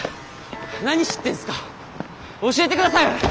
教えてください。